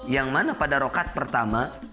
yang mana pada rokat pertama